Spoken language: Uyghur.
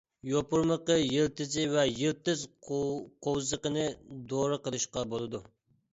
يوپۇرمىقى، يىلتىزى ۋە يىلتىز قوۋزىقىنى دورا قىلىشقا بولىدۇ.